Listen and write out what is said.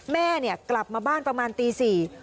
แม่กลับมาบ้านประมาณตี๔